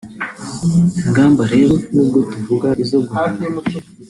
Ingamba rero nubwo tuvuga izo guhana